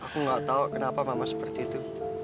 aku gak tau kenapa mama seperti itu